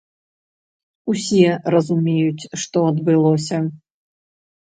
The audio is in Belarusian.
Усе разумеюць, што адбылося.